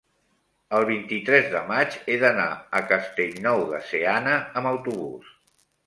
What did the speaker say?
el vint-i-tres de maig he d'anar a Castellnou de Seana amb autobús.